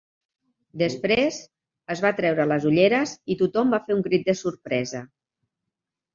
Després, es va treure les ulleres, i tothom va fer un crit de sorpresa.